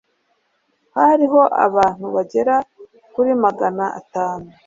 hariho abantu bagera kuri magana atanu